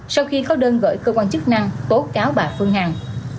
sau khi có đơn gửi cơ quan chức năng tố cáo bà phương hằng